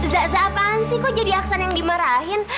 zha zha apaan sih kok jadi aksan yang dimarahin